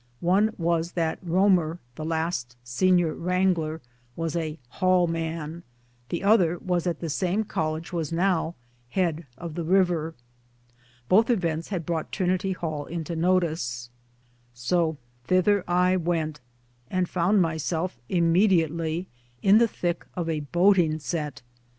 One was that Rorrier, the last Senior Wrangler, was a " Hall " man ; the other was that the same College was now Head of the River. Both events had brought Trinity Hall into notice. So thither I went, and found myself immediately in the thick of a boating set.